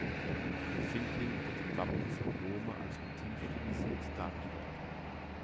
Der Findling wird im Wappen von Lohme als Motiv stilisiert dargestellt.